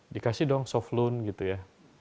dikasih dong soft loan gitu ya